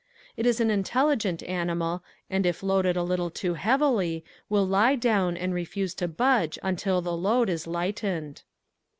It is an intelligent animal and if loaded a little too heavily will lie down and refuse to budge until the load is lightened.